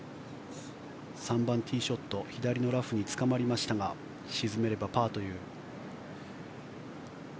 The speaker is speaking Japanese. ３番、ティーショット左のラフにつかまりましたが沈めればパーという。